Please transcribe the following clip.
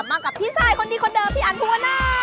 มากับพี่ชายคนนี้คนเดิมพี่อันภูวนา